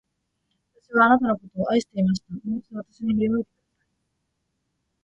私はあなたのことを愛していました。もう一度、私に振り向いてください。